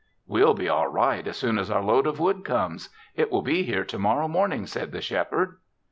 "We'll be all right as soon as our load of wood comes. It will be here to morrow morning," said the Shepherd.